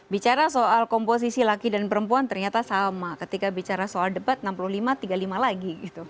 bicara soal komposisi laki dan perempuan ternyata sama ketika bicara soal debat enam puluh lima tiga puluh lima lagi